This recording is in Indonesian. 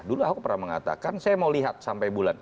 dulu ahok pernah mengatakan saya mau lihat sampai bulan